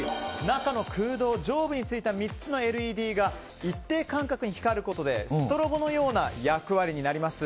中の空洞上部についた３つのＬＥＤが一定間隔に光ることでストロボのような役割になります。